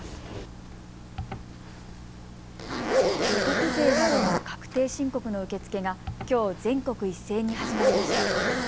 所得税などの確定申告の受け付けが、きょう全国一斉に始まりました。